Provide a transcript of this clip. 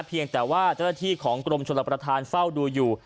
เพียงแต่ว่าเจ้าหน้าที่ของกรมชลประธานเฝ้าดูอยู่